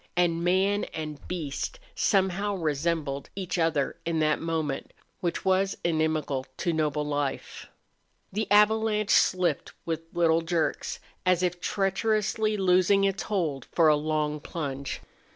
And man and beast somehow resembled each other in that moment which was inimical to noble life. The avalanche slipped with little jerks, as if treacherously loosing its hold for a long plunge.